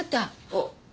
あっ！